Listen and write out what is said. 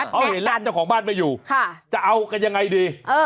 เขาเห็นแล้วเจ้าของบ้านไม่อยู่จะเอากันยังไงดี